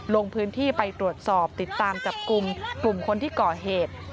ลงพื้นที่ไปตรวจสอบติดตามจับกลุ่มกลุ่มคนที่ก่อเหตุ